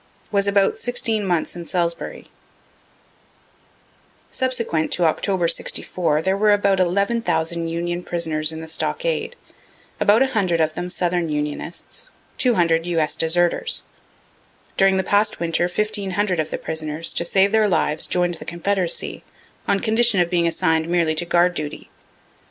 Was about sixteen months in Salisbury. Subsequent to October, '64, there were about 11,000 Union prisoners in the stockade; about 100 of them southern unionists, 200 U. S. deserters. During the past winter 1500 of the prisoners, to save their lives, join'd the confederacy, on condition of being assign'd merely to guard duty.